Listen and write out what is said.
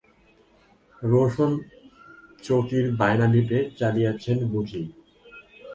রোশনচৌকির বায়না দিতে চলিয়াছেন বুঝি?